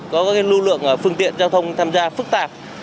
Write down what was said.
có các lưu lượng phương tiện giao thông tham gia phức tạp